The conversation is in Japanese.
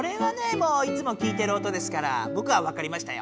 もういつも聞いてる音ですからぼくはわかりましたよ。